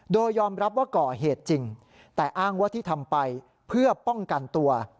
โดยยอมรับว่าก่อเหตุจริงแต่อ้างว่าที่ทำไปเพื่อป้องกันตัว